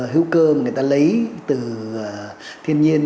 hữu cơ mà người ta lấy từ thiên nhiên